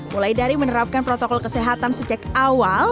mulai dari menerapkan protokol kesehatan sejak awal